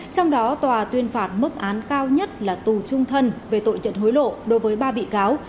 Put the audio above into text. trong đó tòa tuyên phạt mức án cao nhất là tù trung thân về tội trận hối lộ đối với ba bị cáo